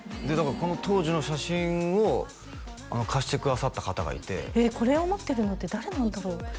でだから当時の写真を貸してくださった方がいてえっこれを持ってるのって誰なんだろう？